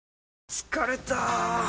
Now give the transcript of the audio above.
疲れた！